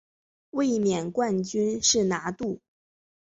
卫冕冠军是拿度。